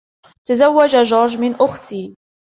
تزوج جورج من أختي.